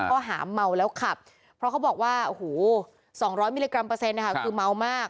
ข้อหาเมาแล้วขับเพราะเขาบอกว่าโอ้โห๒๐๐มิลลิกรัมเปอร์เซ็นต์คือเมามาก